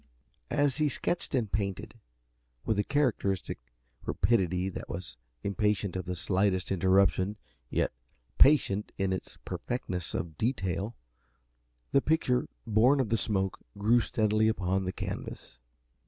As he sketched and painted, with a characteristic rapidity that was impatient of the slightest interruption yet patient in its perfectness of detail, the picture born of the smoke grew steadily upon the canvas.